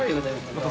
また。